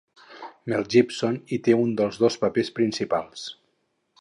Mel Gibson hi té un dels dos papers principals.